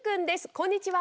こんにちは。